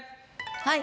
はい。